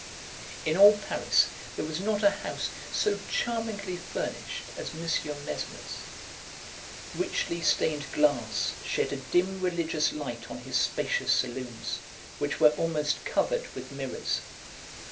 In all Paris, there was not a house so charmingly furnished as Monsieur Mesmer's. Richly stained glass shed a dim religious light on his spacious saloons, which were almost covered with mirrors.